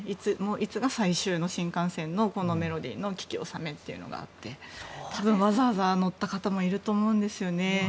いつが最終の新幹線のこのメロディーの聞き納めというのがあって多分、わざわざ乗った方もいると思うんですよね。